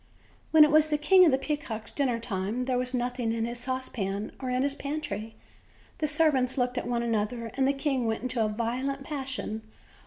When it was the King of the Peacocks' dinner time there was nothing in his saucepan or in his pantry; the servants looked at one another and the king went into a violent passion.